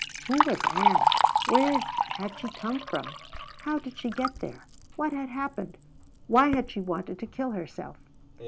Who was Ann? Where had she come from? How did she get there? What had happened? Why had she wanted to kill herself?